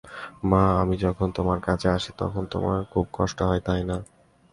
মা, আমি যখন তোমার কাছে আসি তখন তোমার খুব কষ্ট হয় তাই না।